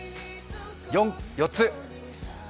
４つ？